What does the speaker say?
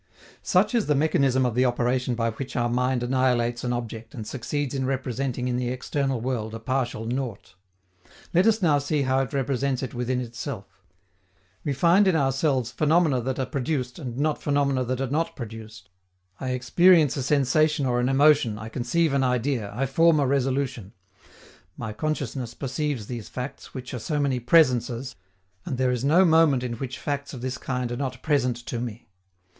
Such is the mechanism of the operation by which our mind annihilates an object and succeeds in representing in the external world a partial nought. Let us now see how it represents it within itself. We find in ourselves phenomena that are produced, and not phenomena that are not produced. I experience a sensation or an emotion, I conceive an idea, I form a resolution: my consciousness perceives these facts, which are so many presences, and there is no moment in which facts of this kind are not present to me.